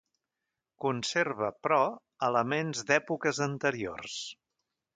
Conserva, però, elements d'èpoques anteriors.